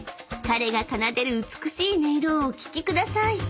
［彼が奏でる美しい音色をお聴きください］